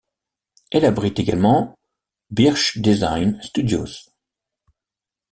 Elle abrite également Birch Design Studios.